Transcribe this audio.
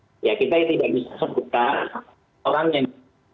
jadi ya kita ini tidak bisa sebutkan orang yang